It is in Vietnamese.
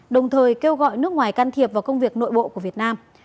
đồng thời kêu gọi nước ngoài can thiệp vào công việc nội bộ của việt nam